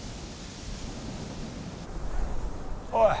おい